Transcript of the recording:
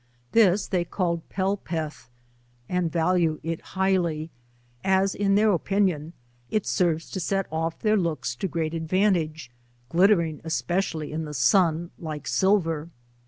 This they call pelpelth and value it highly, as, in their opinion, it serves to set off their looks to great advantage, glittering especially in the sun, like silver.